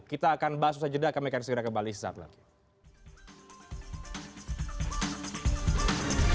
kita akan bahas susah jeda kami akan segera kembali setelah ini